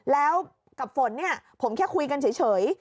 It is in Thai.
แล้วกับฝนผมแค่คุยกันเฉย